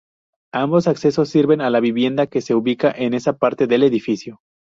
Ambos accesos sirven a la vivienda que se ubica en esa parte del edificio.